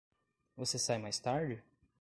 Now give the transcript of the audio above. Você sai mais tarde?